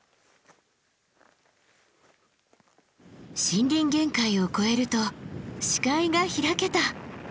森林限界を越えると視界が開けた。